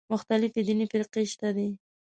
مختلفې دیني فرقې شته دي.